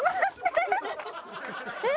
えっ？